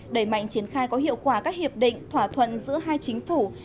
đẩy mạnh triển khai có hiệu quả các hiệp định thỏa thuận giữa hai chính phủ